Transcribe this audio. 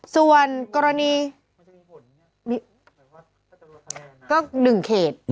ส่วนกรณี๑๐เคตก็๑เคต